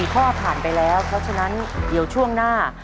๔ข้อผ่านไปแล้วเพราะฉะนั้นเดี๋ยวช่วงหน้า